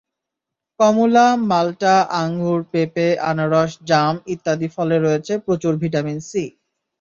কমলা, মালটা, আঙুর, পেঁপে, আনারস, জাম ইত্যাদি ফলে রয়েছে প্রচুর ভিটামিন সি।